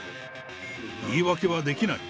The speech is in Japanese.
言い訳はできない。